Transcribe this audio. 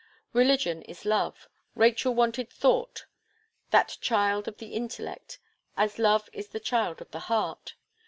Religion is love. Rachel wanted thought, that child of the intellect, as love is the child of the heart.